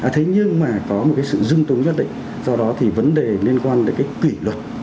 thế nhưng mà có một cái sự dưng nhất định do đó thì vấn đề liên quan đến cái kỷ luật